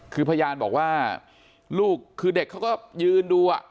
คือพยานบอกว่าลูกคือเด็กเขาก็ยืนดู